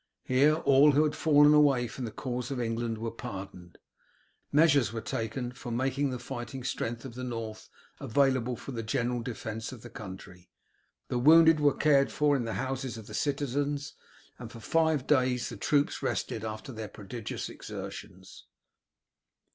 Here all who had fallen away from the cause of England were pardoned. Measures were taken for making the fighting strength of the North available for the general defence of the country. The wounded were cared for in the houses of the citizens, and for five days the troops rested after their prodigious exertions.